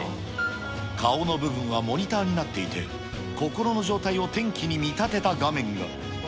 顔の部分はモニターになっていて、心の状態を天気に見立てた画面が。